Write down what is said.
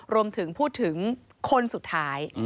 รวมถึงพูดถึงคนสุดท้าย